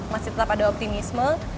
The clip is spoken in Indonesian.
masih tetap ada optimisme